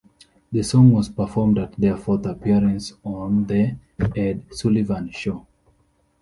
The song was performed at their fourth appearance on "The Ed Sullivan Show".